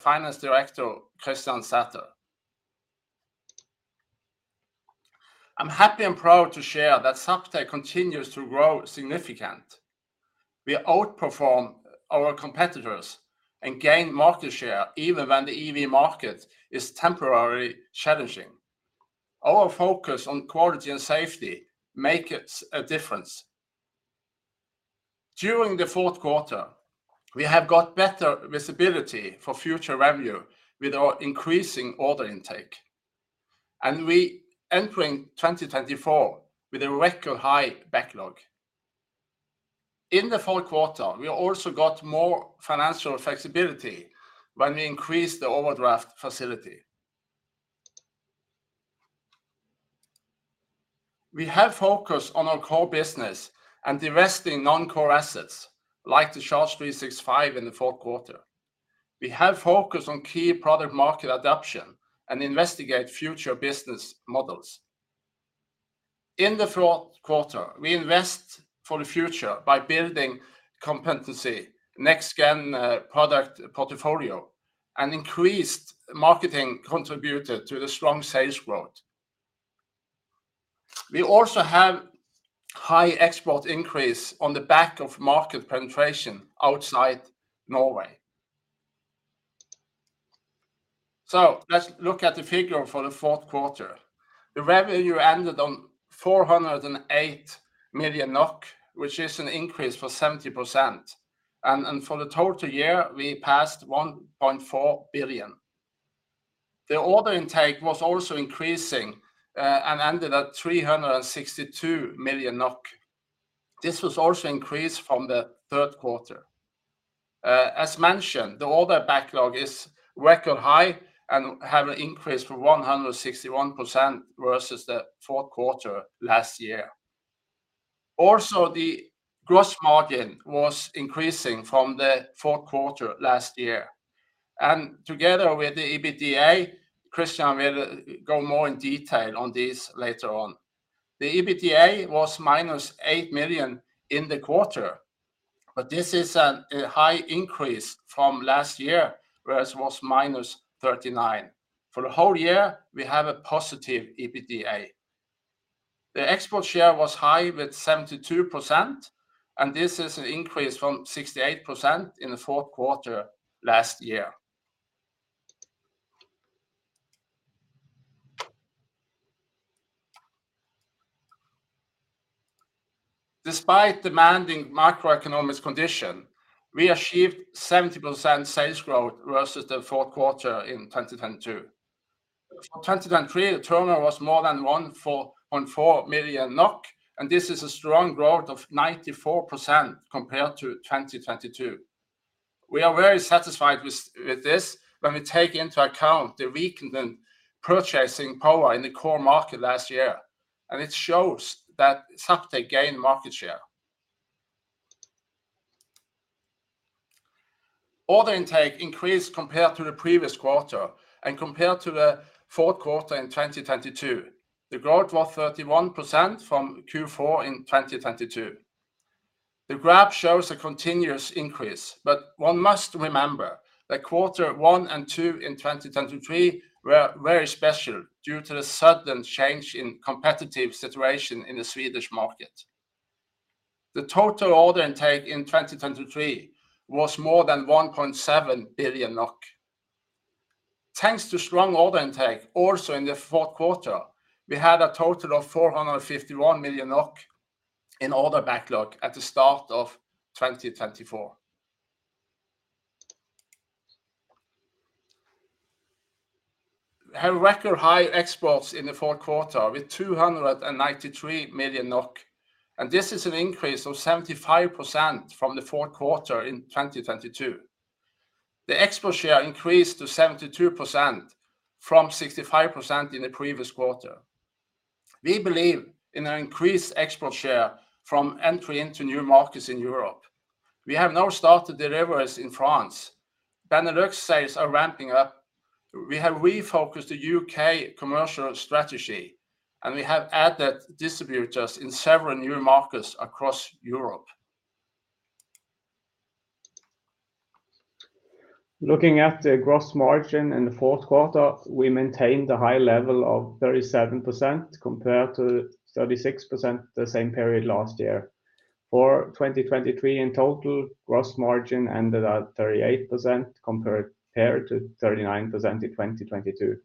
Finance Director, Kristian Sæther. I'm happy and proud to share that Zaptec continues to grow significant. We outperform our competitors and gain market share even when the EV market is temporarily challenging. Our focus on quality and safety makes a difference. During the fourth quarter, we have got better visibility for future revenue with our increasing order intake, and we entering 2024 with a record high backlog. In the fourth quarter, we also got more financial flexibility when we increased the overdraft facility. We have focused on our core business and divesting non-core assets, like the Charge365 in the fourth quarter. We have focused on key product market adoption and investigate future business models. In the fourth quarter, we invest for the future by building competency, next-gen, product portfolio, and increased marketing contributed to the strong sales growth. We also have high export increase on the back of market penetration outside Norway. So let's look at the figure for the fourth quarter. The revenue ended on 408 million NOK, which is an increase for 70%, and for the total year, we passed 1.4 billion. The order intake was also increasing and ended at 362 million NOK. This was also increased from the third quarter. As mentioned, the order backlog is record high and have an increase from 161% versus the fourth quarter last year. Also, the gross margin was increasing from the fourth quarter last year, and together with the EBITDA, Kristian will go more in detail on this later on. The EBITDA was -8 million in the quarter, but this is a high increase from last year, whereas it was -39 million. For the whole year, we have a positive EBITDA. The export share was high with 72%, and this is an increase from 68% in the fourth quarter last year. Despite demanding macroeconomic condition, we achieved 70% sales growth versus the fourth quarter in 2022. For 2023, the turnover was more than 14.4 million NOK, and this is a strong growth of 94% compared to 2022. We are very satisfied with this when we take into account the weakened purchasing power in the core market last year, and it shows that Zaptec gained market share. Order intake increased compared to the previous quarter and compared to the fourth quarter in 2022. The growth was 31% from Q4 in 2022. The graph shows a continuous increase, but one must remember that quarter one and two in 2023 were very special due to the sudden change in competitive situation in the Swedish market. The total order intake in 2023 was more than 1.7 billion NOK. Thanks to strong order intake also in the fourth quarter, we had a total of 451 million NOK in order backlog at the start of 2024. We have record high exports in the fourth quarter with 293 million NOK, and this is an increase of 75% from the fourth quarter in 2022. The export share increased to 72% from 65% in the previous quarter. We believe in an increased export share from entry into new markets in Europe. We have now started deliveries in France. Benelux sales are ramping up. We have refocused the UK commercial strategy, and we have added distributors in several new markets across Europe. Looking at the gross margin in the fourth quarter, we maintained a high level of 37% compared to 36% the same period last year. For 2023, in total, gross margin ended at 38% compared to 39% in 2022.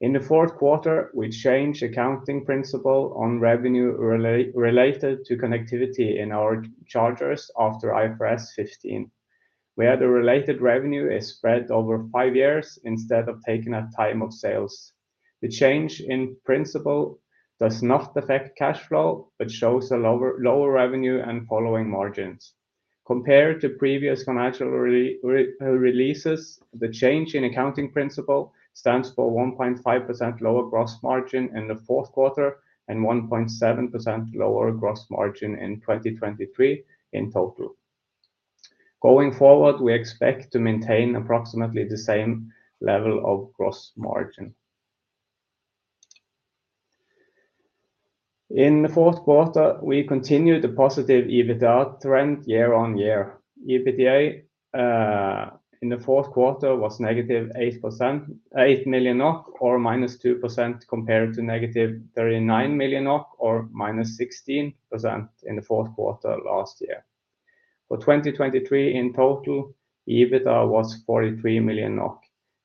In the fourth quarter, we changed accounting principle on revenue related to connectivity in our chargers after IFRS 15, where the related revenue is spread over five years instead of taking at time of sales. The change in principle does not affect cash flow, but shows a lower revenue and following margins. Compared to previous financial releases, the change in accounting principle stands for 1.5% lower gross margin in the fourth quarter and 1.7% lower gross margin in 2023 in total. Going forward, we expect to maintain approximately the same level of gross margin. In the fourth quarter, we continued the positive EBITDA trend year on year. EBITDA in the fourth quarter was -8%, -8 million NOK, or -2% compared to -39 million NOK, or -16% in the fourth quarter last year. For 2023 in total, EBITDA was 43 million NOK.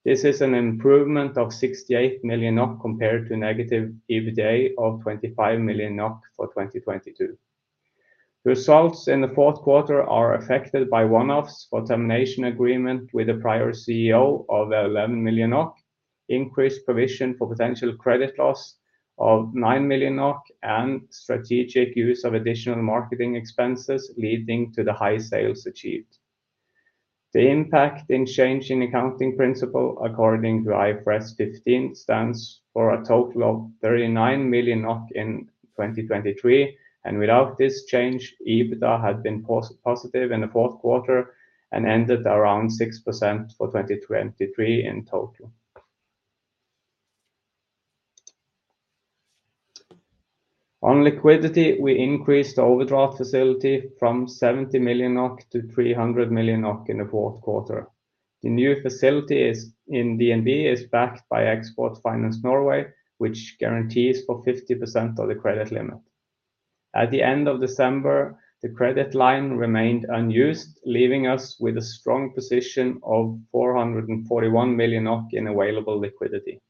This is an improvement of 68 million NOK compared to negative EBITDA of -25 million NOK for 2022. Results in the fourth quarter are affected by one-offs for termination agreement with the prior CEO of 11 million NOK, increased provision for potential credit loss of 9 million NOK, and strategic use of additional marketing expenses, leading to the high sales achieved. The impact of the change in accounting principle according to IFRS 15 stands for a total of 39 million NOK in 2023, and without this change, EBITDA had been positive in the fourth quarter and ended around 6% for 2023 in total. On liquidity, we increased the overdraft facility from 70 million NOK to 300 million NOK in the fourth quarter. The new facility is in DNB, is backed by Export Finance Norway, which guarantees for 50% of the credit limit. At the end of December, the credit line remained unused, leaving us with a strong position of 441 million in available liquidity.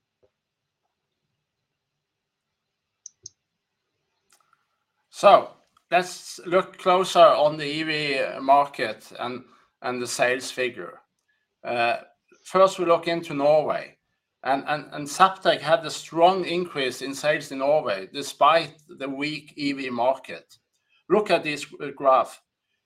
So let's look closer on the EV market and the sales figure. First, we look into Norway and Zaptec had a strong increase in sales in Norway despite the weak EV market. Look at this, graph.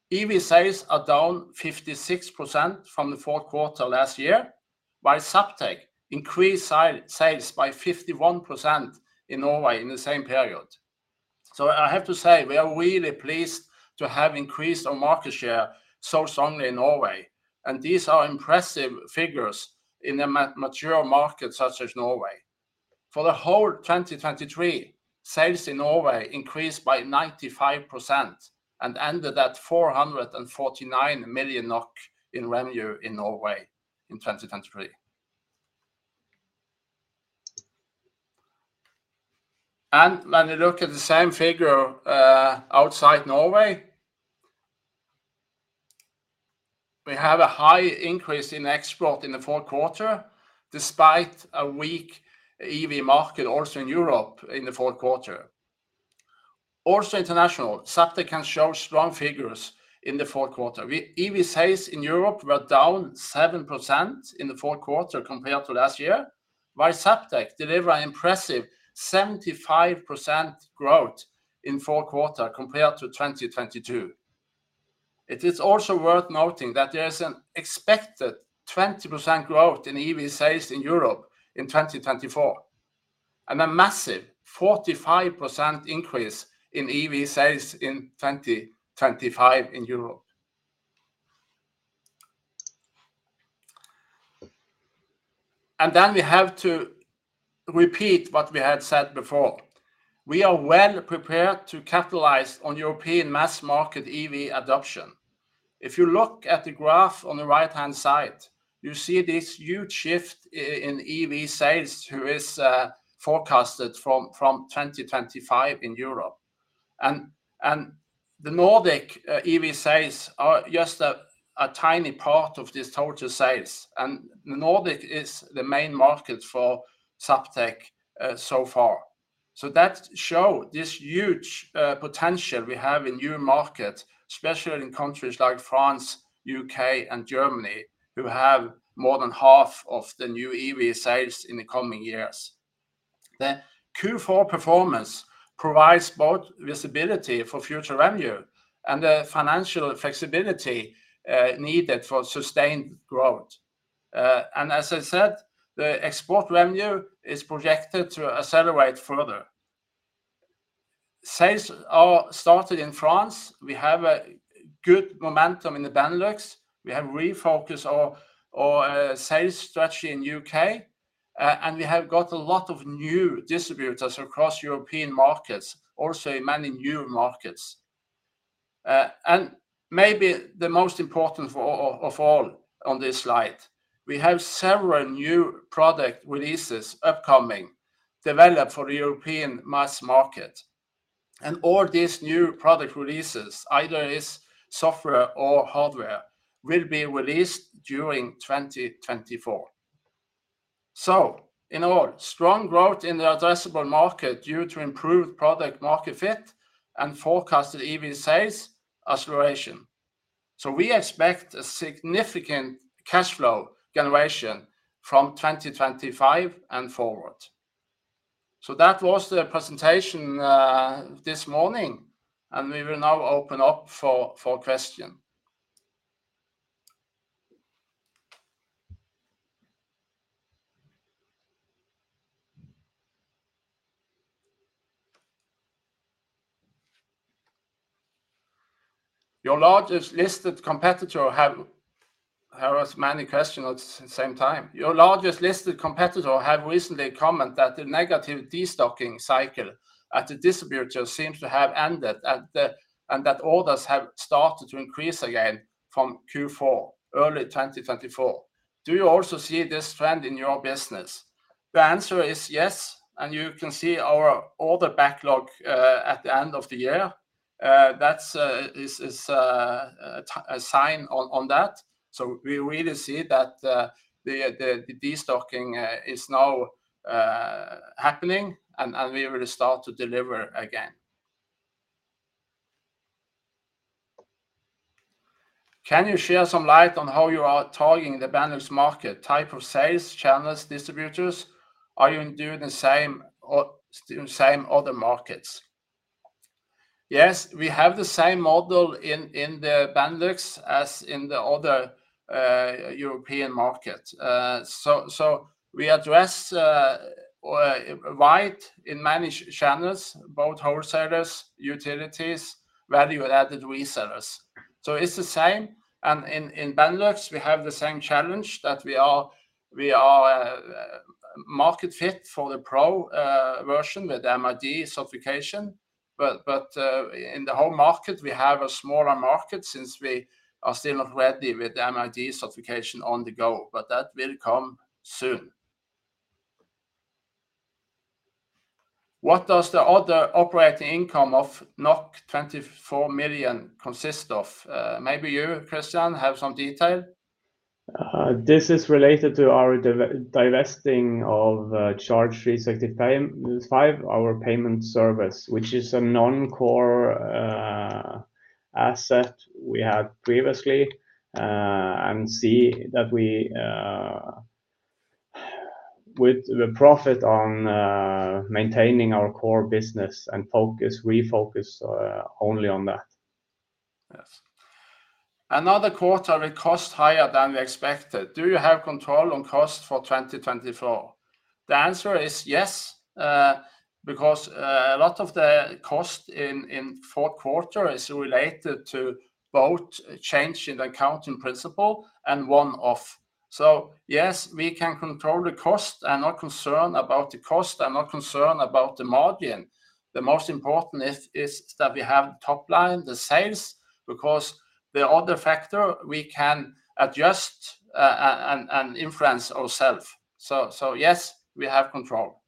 EV sales are down 56% from the fourth quarter last year, while Zaptec increased sales by 51% in Norway in the same period. So I have to say, we are really pleased to have increased our market share so strongly in Norway, and these are impressive figures in a mature market such as Norway. For the whole 2023, sales in Norway increased by 95% and ended at 449 million NOK in revenue in Norway in 2023. When you look at the same figure outside Norway, we have a high increase in export in the fourth quarter, despite a weak EV market also in Europe in the fourth quarter. Also international, Zaptec can show strong figures in the fourth quarter. EV sales in Europe were down 7% in the fourth quarter compared to last year, while Zaptec delivered an impressive 75% growth in fourth quarter compared to 2022. It is also worth noting that there is an expected 20% growth in EV sales in Europe in 2024, and a massive 45% increase in EV sales in 2025 in Europe. Then we have to repeat what we had said before. We are well prepared to capitalize on European mass market EV adoption. If you look at the graph on the right-hand side, you see this huge shift in EV sales, which is forecasted from 2025 in Europe. The Nordic EV sales are just a tiny part of this total sales, and the Nordic is the main market for Zaptec so far. So that show this huge potential we have in new markets, especially in countries like France, UK, and Germany, who have more than half of the new EV sales in the coming years. The Q4 performance provides both visibility for future revenue and the financial flexibility needed for sustained growth. And as I said, the export revenue is projected to accelerate further. Sales are started in France. We have a good momentum in the Benelux. We have refocused our sales strategy in U.K., and we have got a lot of new distributors across European markets, also in many new markets. And maybe the most important of all on this slide, we have several new product releases upcoming, developed for the European mass market. And all these new product releases, either is software or hardware, will be released during 2024. So in all, strong growth in the addressable market due to improved product market fit and forecasted EV sales acceleration. So we expect a significant cash flow generation from 2025 and forward. So that was the presentation this morning, and we will now open up for questions. Your largest listed competitor have- there was many question at the same time. Your largest listed competitor have recently commented that the negative destocking cycle at the distributor seems to have ended, and that orders have started to increase again from Q4, early 2024. Do you also see this trend in your business? The answer is yes, and you can see our order backlog at the end of the year. That's a sign of that. So we really see that the destocking is now happening, and we will start to deliver again. Can you shed some light on how you are targeting the Benelux market? Type of sales, channels, distributors? Are you doing the same as the other markets? Yes, we have the same model in the Benelux as in the other European markets. So, so we address widely in many channels, both wholesalers, utilities, value-added resellers. So it's the same, and in Benelux, we have the same challenge that we are market fit for the Pro version with MID certification. But in the whole market, we have a smaller market since we are still not ready with the MID certification on the Go, but that will come soon. What does the other operating income of 24 million consist of? Maybe you, Kristian, have some detail. This is related to our divesting of Charge365, our payment service, which is a non-core asset we had previously, and see that we... With the profit on maintaining our core business and focus, we focus only on that. Yes. Another quarter, it cost higher than we expected. Do you have control on cost for 2024? The answer is yes, because a lot of the cost in fourth quarter is related to both a change in the accounting principle and one-off. So yes, we can control the cost. I'm not concerned about the cost. I'm not concerned about the margin. The most important is that we have the top line, the sales, because the other factor we can adjust and influence ourselves. So yes, we have control.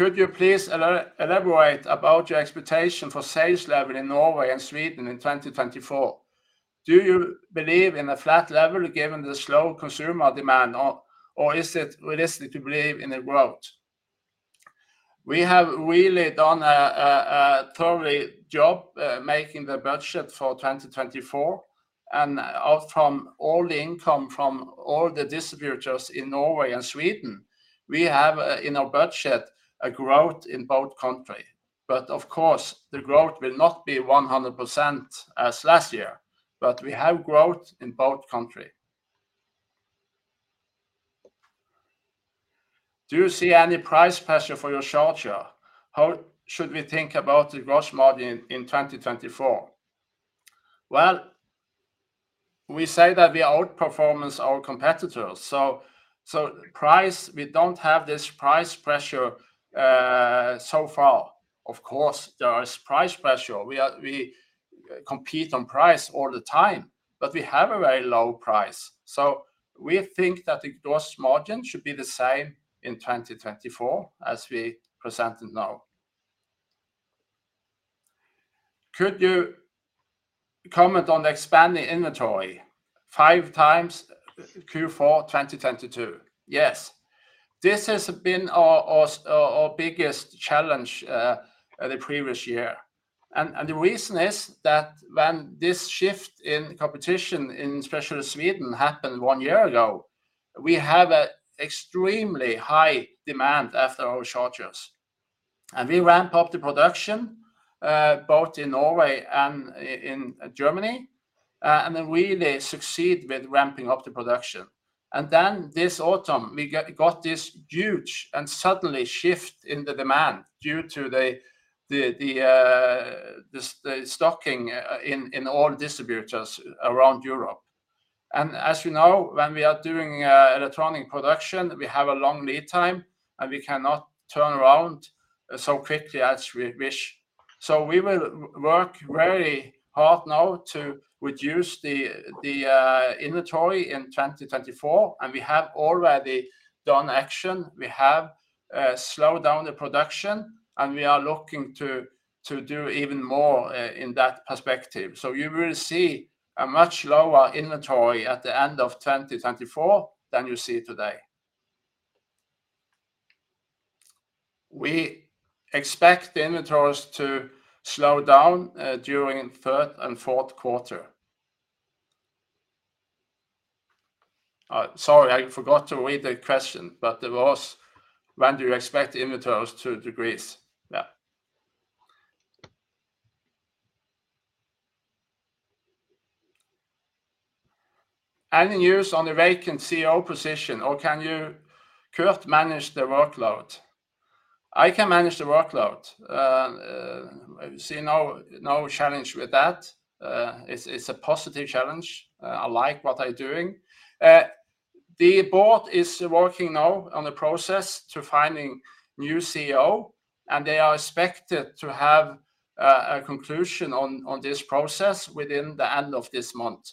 Could you please elaborate about your expectation for sales level in Norway and Sweden in 2024? Do you believe in a flat level, given the slow consumer demand, or is it realistic to believe in a growth? We have really done a thorough job making the budget for 2024, and out from all the income from all the distributors in Norway and Sweden, we have in our budget a growth in both countries. But of course, the growth will not be 100% as last year, but we have growth in both countries. Do you see any price pressure for your charger? How should we think about the gross margin in 2024? Well, we say that we outperform our competitors, so price, we don't have this price pressure so far. Of course, there is price pressure. We compete on price all the time, but we have a very low price, so we think that the gross margin should be the same in 2024 as we presented now. Could you comment on the expanding inventory, 5 times Q4 2022? Yes. This has been our biggest challenge the previous year, and the reason is that when this shift in competition, in especially Sweden, happened one year ago, we have a extremely high demand after our chargers, and we ramp up the production both in Norway and in Germany, and then really succeed with ramping up the production. And then this autumn, we got this huge and suddenly shift in the demand due to the stocking in all distributors around Europe. And as you know, when we are doing electronic production, we have a long lead time, and we cannot turn around so quickly as we wish. So we will work very hard now to reduce the inventory in 2024, and we have already done action. We have slowed down the production, and we are looking to do even more in that perspective. So you will see a much lower inventory at the end of 2024 than you see today. We expect the inventories to slow down during third and fourth quarter. Sorry, I forgot to read the question, but it was, when do you expect the inventories to decrease? Yeah.... Any news on the vacant CEO position, or can you, Kurt, manage the workload? I can manage the workload. I see no challenge with that. It's a positive challenge. I like what I'm doing. The board is working now on the process to finding new CEO, and they are expected to have a conclusion on this process within the end of this month.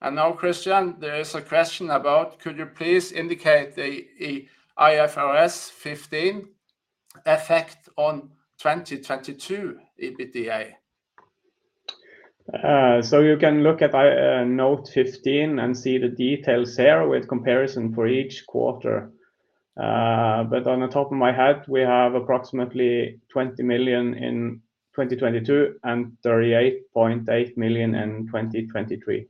Now, Kristian Sæther, there is a question about: could you please indicate the IFRS 15 effect on 2022 EBITDA? So you can look at Note 15 and see the details there with comparison for each quarter. But on the top of my head, we have approximately 20 million in 2022 and 38.8 million in 2023.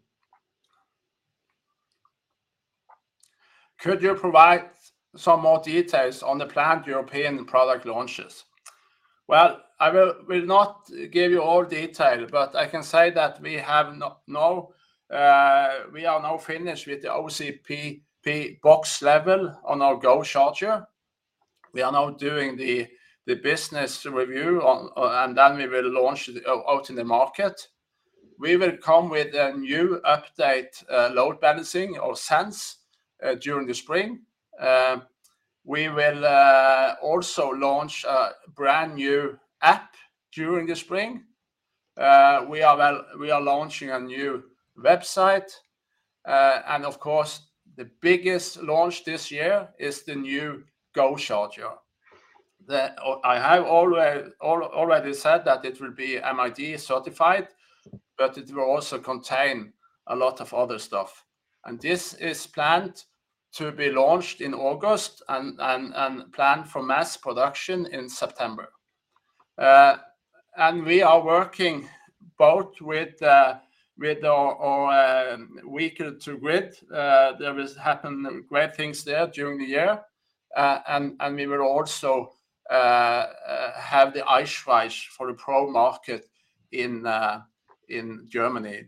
Could you provide some more details on the planned European product launches? Well, I will not give you all detail, but I can say that we are now finished with the OCPP box level on our Go charger. We are now doing the business review on, and then we will launch it out in the market. We will come with a new update, load balancing or Sense, during the spring. We will also launch a brand-new app during the spring. We are launching a new website. And of course, the biggest launch this year is the new Go charger. The... I have already said that it will be MID certified, but it will also contain a lot of other stuff, and this is planned to be launched in August and planned for mass production in September. And we are working both with our vehicle-to-grid. There has happened great things there during the year. And we will also have the Eichrecht for the Pro market in Germany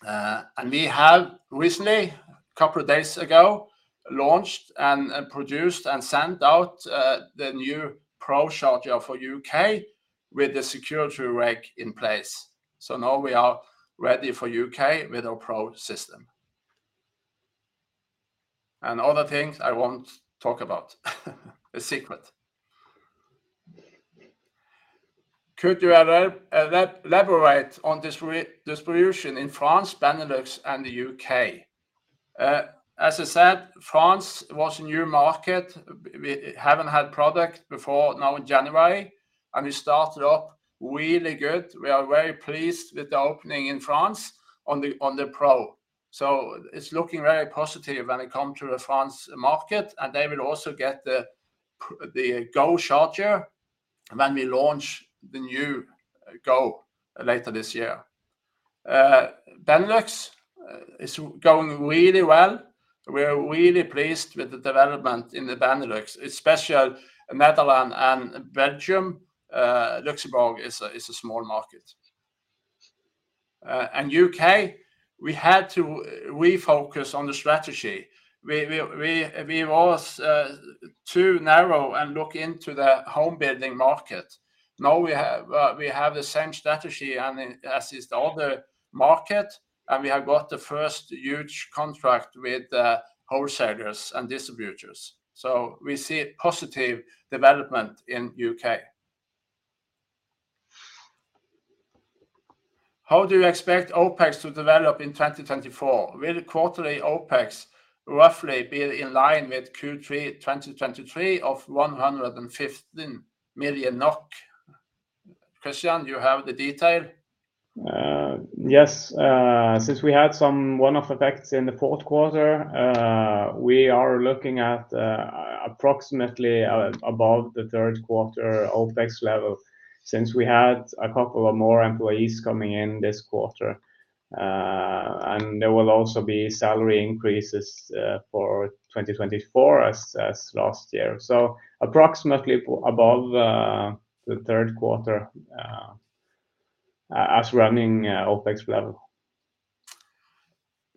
during the year. And we have recently, a couple of days ago, launched and produced and sent out the new Pro charger for U.K. with the security reg in place. So now we are ready for U.K. with our Pro system. And other things I won't talk about. A secret. Could you elaborate on distribution in France, Benelux, and the U.K.? As I said, France was a new market. We haven't had product before now in January, and we started up really good. We are very pleased with the opening in France on the Pro. So it's looking very positive when it come to the France market, and they will also get the Go charger when we launch the new Go later this year. Benelux is going really well. We are really pleased with the development in the Benelux, especially Netherlands and Belgium. Luxembourg is a small market. And UK, we had to refocus on the strategy. We was too narrow and look into the home building market. Now we have the same strategy and as is the other market, and we have got the first huge contract with the wholesalers and distributors. We see a positive development in U.K. How do you expect OpEx to develop in 2024? Will quarterly OpEx roughly be in line with Q3 2023 of 115 million NOK? Kristian, do you have the detail? Yes. Since we had some one-off effects in the fourth quarter, we are looking at, approximately, above the third quarter OpEx level since we had a couple of more employees coming in this quarter. And there will also be salary increases, for 2024 as, as last year. So approximately above, the third quarter, as running, OpEx level.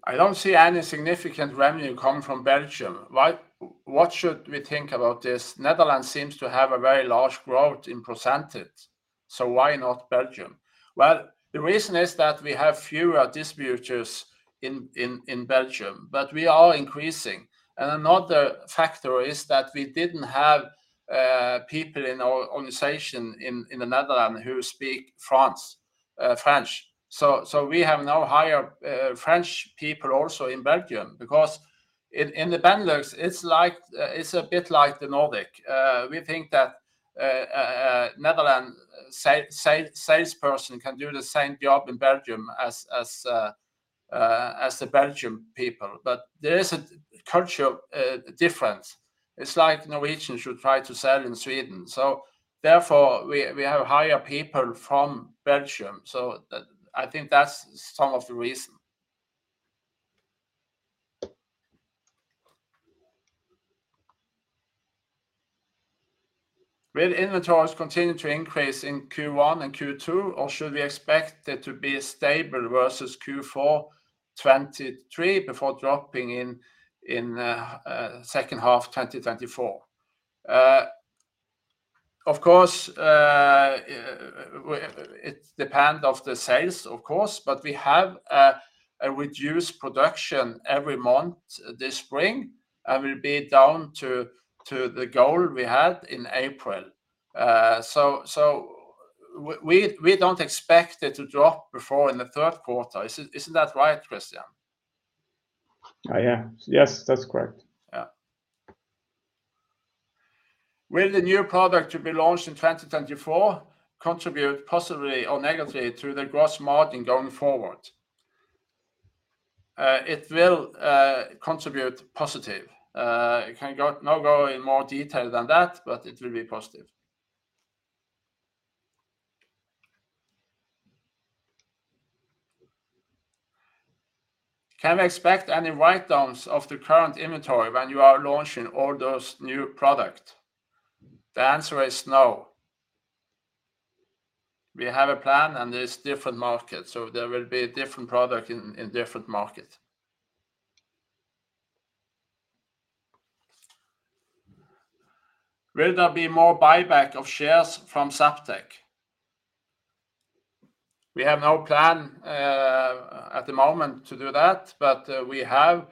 I don't see any significant revenue coming from Belgium. Why, what should we think about this? Netherlands seems to have a very large growth in percentage, so why not Belgium? Well, the reason is that we have fewer distributors in Belgium, but we are increasing. And another factor is that we didn't have people in our organization in the Netherlands who speak French. So we have now hired French people also in Belgium, because in the Benelux, it's like, it's a bit like the Nordic. We think that a Netherlands salesperson can do the same job in Belgium as the Belgian people, but there is a culture difference. It's like Norwegians should try to sell in Sweden, so therefore we have hired people from Belgium. So I think that's some of the reason. Will inventories continue to increase in Q1 and Q2, or should we expect it to be stable versus Q4 2023 before dropping in second half 2024? Of course, it depend of the sales, of course, but we have a reduced production every month this spring, and will be down to the goal we had in April. So we don't expect it to drop before in the third quarter. Isn't that right, Kristian? Yeah. Yes, that's correct. Yeah. Will the new product to be launched in 2024 contribute positively or negatively to the gross margin going forward? It will contribute positive. I cannot go in more detail than that, but it will be positive. Can we expect any write-downs of the current inventory when you are launching all those new product? The answer is no. We have a plan, and there's different markets, so there will be a different product in different markets. Will there be more buyback of shares from Zaptec? We have no plan at the moment to do that, but we have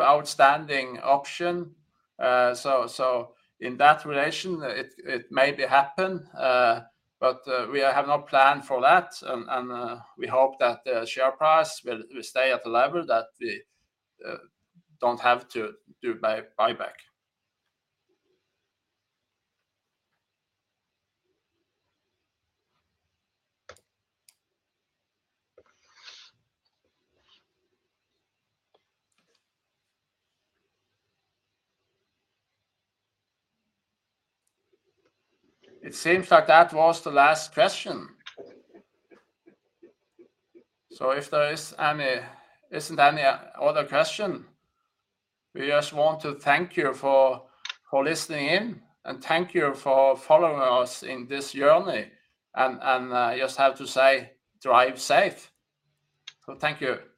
outstanding option. So, in that relation, it may be happen, but we have no plan for that. We hope that the share price will stay at the level that we don't have to do buyback. It seems like that was the last question. So if there isn't any other question, we just want to thank you for listening in, and thank you for following us in this journey. I just have to say, drive safe. So thank you.